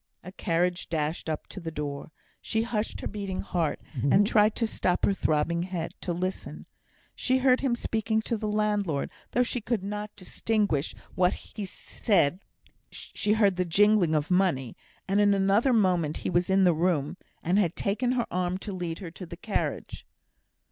A carriage dashed up to the door. She hushed her beating heart, and tried to stop her throbbing head to listen. She heard him speaking to the landlord, though she could not distinguish what he said; heard the jingling of money, and, in another moment, he was in the room, and had taken her arm to lead her to the carriage.